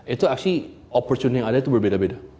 itu actually opportunity yang ada itu berbeda beda